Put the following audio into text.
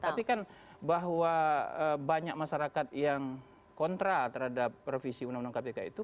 tapi kan bahwa banyak masyarakat yang kontra terhadap revisi undang undang kpk itu